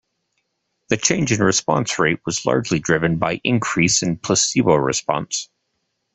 The change in response rate was largely driven by increase in placebo response.